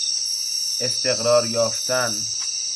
استقرار یافتن